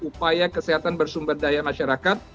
upaya kesehatan bersumber daya masyarakat